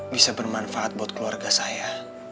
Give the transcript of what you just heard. bisa bermanfaat buat keluarga saya